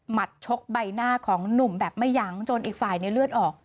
ชกใบหน้าของหนุ่มแบบไม่ยั้งจนอีกฝ่ายในเลือดออก